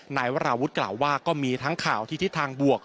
นายวราวุฒิกล่าวว่าก็มีทั้งข่าวที่ทิศทางบวก